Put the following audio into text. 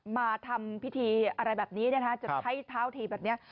มาทำพิธีอะไรแบบนี้นะคะจะใช้เท้าถีบแบบนี้